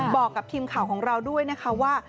บอกกับทีมข่าวของเราด้วยนะคะว่า